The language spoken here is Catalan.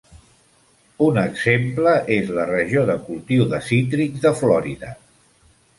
Un exemple és la regió de cultiu de cítrics de Florida.